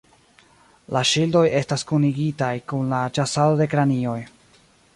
La ŝildoj estas kunigitaj kun la ĉasado de kranioj.